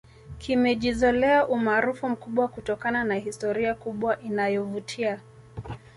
kimejizolea umaarufu mkubwa kutokana na historia kubwa inayovutia